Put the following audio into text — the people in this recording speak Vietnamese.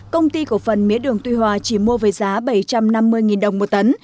công ty cổ phần mía đường tuy hòa chỉ mua với giá bảy trăm năm mươi đồng một tấn